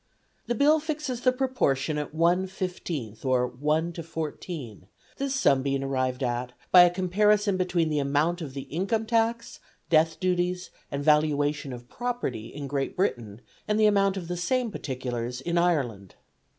The bill fixes the proportion at 1/15th, or 1 to 14, this sum being arrived at by a comparison between the amount of the income tax, death duties, and valuation of property in Great Britain, and the amount of the same particulars in Ireland.